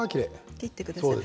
切ってください。